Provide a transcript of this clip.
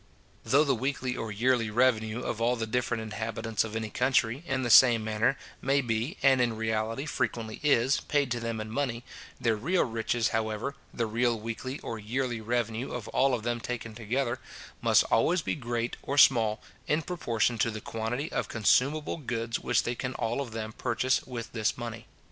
Though the weekly or yearly revenue of all the different inhabitants of any country, in the same manner, may be, and in reality frequently is, paid to them in money, their real riches, however, the real weekly or yearly revenue of all of them taken together, must always be great or small, in proportion to the quantity of consumable goods which they can all of them purchase with this money.